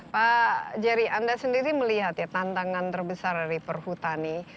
pak jerry anda sendiri melihat ya tantangan terbesar dari perhutani